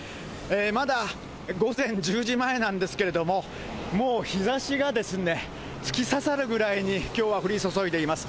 まだ午前１０時前なんですけれども、もう日ざしがですね、突き刺さるぐらいにきょうは降り注いでいます。